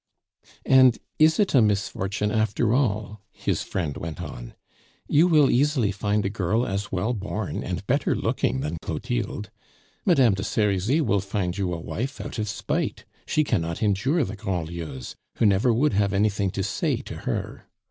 "And is it a misfortune, after all?" his friend went on. "You will easily find a girl as well born and better looking than Clotilde! Madame de Serizy will find you a wife out of spite; she cannot endure the Grandlieus, who never would have anything to say to her.